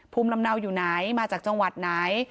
ภูมิลำเนาอยู่ไหนมาจากจังหวัดไหน